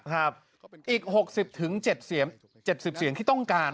ตอนนี้ก็เชื่อว่าอีก๖๐๗๐เสียงที่ต้องการ